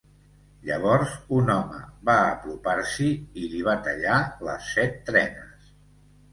Llavors, un home va apropar-s'hi i li va tallar les set trenes.